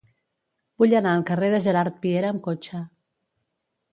Vull anar al carrer de Gerard Piera amb cotxe.